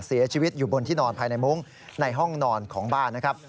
เสียชีวิตอยู่บนที่นอนภายในมุ้งในห้องนอนของบ้านนะครับ